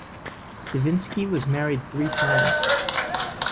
Divinsky was married three times.